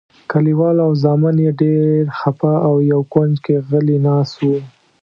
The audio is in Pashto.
کلیوال او زامن یې ډېر خپه او یو کونج کې غلي ناست وو.